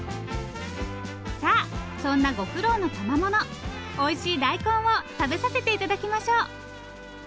さあそんなご苦労のたまものおいしい大根を食べさせて頂きましょう。